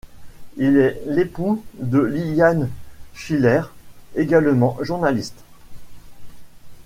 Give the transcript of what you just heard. Il est l'époux de Liliane Sichler, également journaliste.